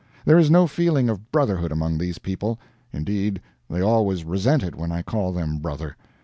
There is no feeling of brotherhood among these people. Indeed, they always resent it when I call them brother.